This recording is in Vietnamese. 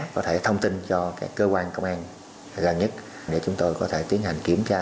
có thể thông tin cho cơ quan công an gần nhất để chúng tôi có thể tiến hành kiểm tra